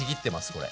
これ。